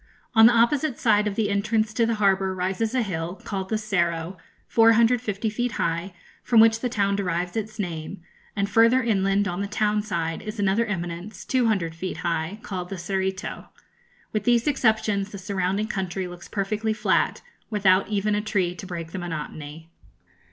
On the opposite side of the entrance to the harbour rises a hill, called the Cerro, 450 feet high, from which the town derives its name, and further inland, on the town side, is another eminence, 200 feet high, called the Cerrito. With these exceptions the surrounding country looks perfectly flat, without even a tree to break the monotony.